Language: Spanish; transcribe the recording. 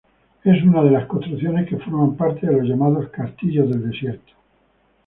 Es una de las construcciones que forman parte de los llamados castillos del desierto.